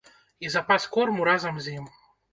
І запас корму разам з ім.